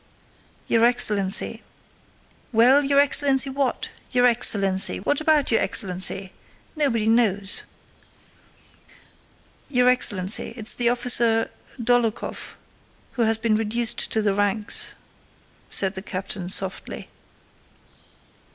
"Your excellency..." "Well, your excellency, what? Your excellency! But what about your excellency?... nobody knows." "Your excellency, it's the officer Dólokhov, who has been reduced to the ranks," said the captain softly.